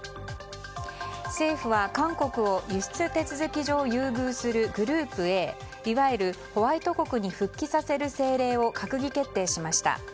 政府は、韓国を輸出手続き上優遇するグループＡいわゆるホワイト国に復帰させる政令を閣議決定しました。